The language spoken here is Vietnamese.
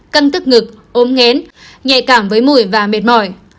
căng tức ngực ốm nghến nhạy cảm với mùi và mệt mỏi